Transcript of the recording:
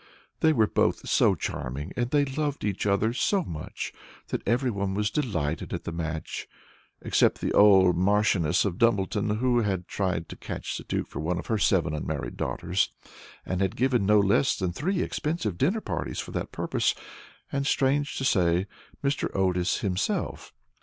They were both so charming, and they loved each other so much, that everyone was delighted at the match, except the old Marchioness of Dumbleton, who had tried to catch the Duke for one of her seven unmarried daughters, and had given no less than three expensive dinner parties for that purpose, and, strange to say, Mr. Otis himself.